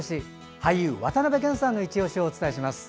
俳優・渡辺謙さんのいちオシをお伝えします。